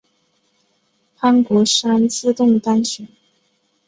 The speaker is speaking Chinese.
潘国山自动当选。